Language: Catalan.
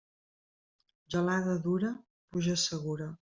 Gelada dura, pluja segura.